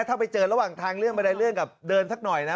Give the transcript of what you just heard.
ถ้าไปเจอระหว่างทางเรื่องบันไดเรื่องกับเดินสักหน่อยนะ